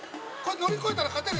乗り越えたら勝てる？